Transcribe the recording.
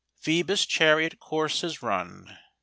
Phoebus' chariot course is run